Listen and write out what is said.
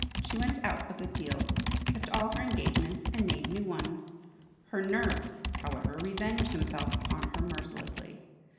She went out a good deal, kept all her engagements, and made new ones. Her nerves, however, revenged themselves upon her mercilessly.